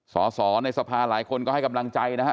สอสอในสภาหลายคนก็ให้กำลังใจนะฮะ